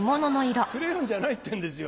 クレヨンじゃないってんですよ